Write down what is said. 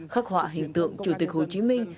khắc họa hình tượng chủ tịch hồ chí minh